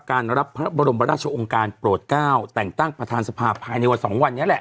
การรับพระบรมราชองค์การโปรดเก้าแต่งตั้งประธานสภาภายในวันสองวันนี้แหละ